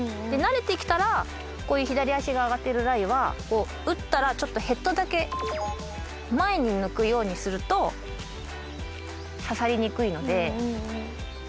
慣れてきたらこういう左足が上がっているライは打ったらちょっとヘッドだけ前に抜くようにすると刺さりにくいので。